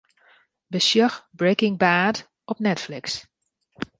Besjoch 'Breaking Bad' op Netflix.